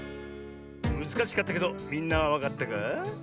むずかしかったけどみんなはわかったかあ？